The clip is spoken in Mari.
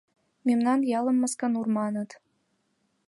Мемнан ялым Масканур маныт.